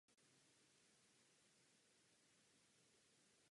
On sám si na sklonku života postavil rodinný dům v Nepomuku.